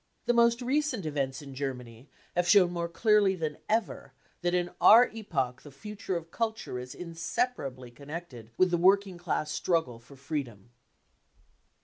The most recent events in Germany have shown more clearly than ever that in our epoch the future of culture is inseparably connected with the working class struggle for freedom.